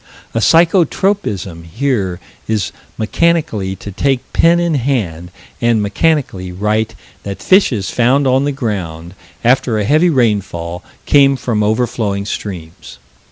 A psycho tropism here is mechanically to take pen in hand and mechanically write that fishes found on the ground after a heavy rainfall came from overflowing streams.